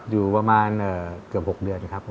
อยู่ประมาณเกือบ๖เดือนครับผม